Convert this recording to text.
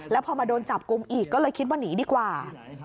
แล้วพอมาโดนจับกลุ่มอีกก็เลยคิดว่าหนีดีกว่า